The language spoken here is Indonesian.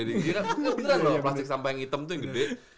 beneran loh plastik sampah yang hitam itu yang gede